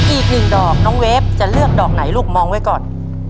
อีกหนึ่งดอกน้องเวฟจะเลือกดอกไหนลูกมองไว้ก่อน